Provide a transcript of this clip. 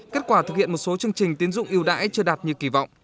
kết quả thực hiện một số chương trình tiến dụng yêu đãi chưa đạt như kỳ vọng